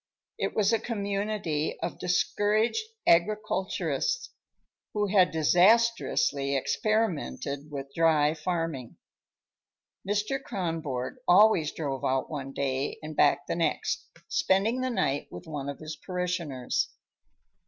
It was a community of discouraged agriculturists who had disastrously experimented with dry farming. Mr. Kronborg always drove out one day and back the next, spending the night with one of his parishioners.